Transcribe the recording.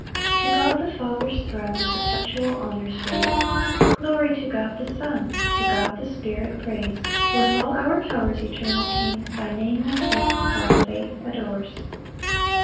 To God the Father's throne Perpetual honours raise, Glory to God the Son, To God the Spirit praise: With all our powers, Eternal King, Thy Name we sing, While faith adores.